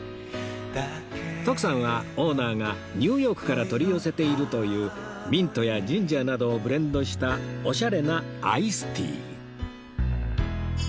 徳さんはオーナーがニューヨークから取り寄せているというミントやジンジャーなどをブレンドしたおしゃれなアイスティー